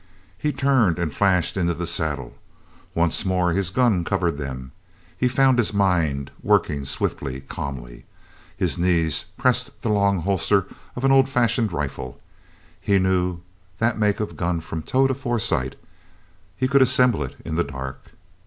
He turned and flashed into the saddle. Once more his gun covered them. He found his mind working swiftly, calmly. His knees pressed the long holster of an old fashioned rifle. He knew that make of gun from toe to foresight; he could assemble it in the dark.